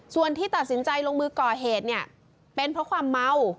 ส่วนที่ตัดสินใจลงมือก่อเหตุเนี่ยเป็นเพราะความเมา